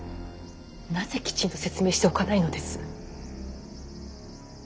なぜきちんと説明しておかないのです。